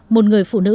một người phụ nữ